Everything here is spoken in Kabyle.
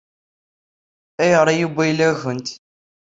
Ayɣer i yewwi ayla-nkent?